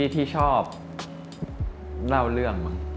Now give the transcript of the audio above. ที่ชอบเล่าเรื่องมั้ง